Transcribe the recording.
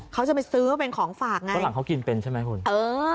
เขาจะไปซื้อเป็นของฝากไงฝรั่งเขากินเป็นใช่ไหมคุณเออ